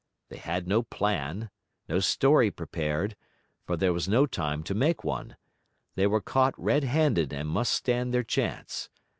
They had no plan, no story prepared; there was no time to make one; they were caught red handed and must stand their chance.